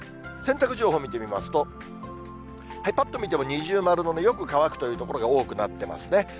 洗濯情報を見てみますと、ぱっと見ても、二重丸のよく乾くという所が多くなってますね。